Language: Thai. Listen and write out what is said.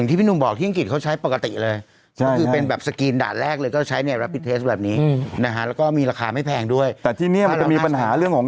ที่เมืองนอกเขาก็ใช้กันเพื่อประกอบเบื้องต้นนะ